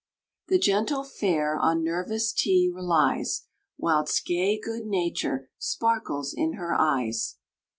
The gentle fair on nervous tea relies, Whilst gay good nature sparkles in her eyes.